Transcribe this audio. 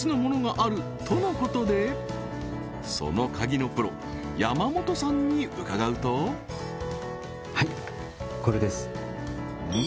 あるとのことでその鍵のプロ山本さんに伺うとはいこれですうん？